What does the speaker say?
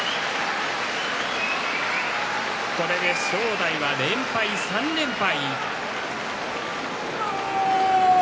これで正代は連敗、３連敗。